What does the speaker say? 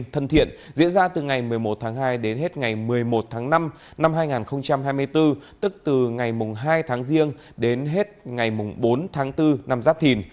thân thiện diễn ra từ ngày một mươi một tháng hai đến hết ngày một mươi một tháng năm năm hai nghìn hai mươi bốn tức từ ngày hai tháng riêng đến hết ngày bốn tháng bốn năm giáp thìn